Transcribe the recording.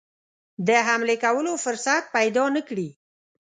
د حملې کولو فرصت پیدا نه کړي.